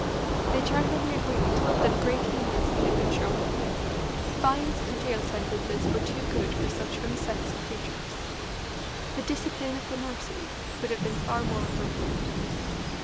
They generally agreed that great leniency had been shown them. Fines and jail sentences were too good for such unsexed creatures. "The discipline of the nursery" would have been far more appropriate.